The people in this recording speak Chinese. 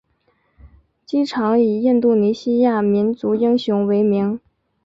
机场以印度尼西亚民族英雄为名。